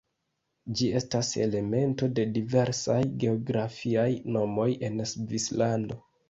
Ĝi estas elemento de diversaj geografiaj nomoj en Svislando.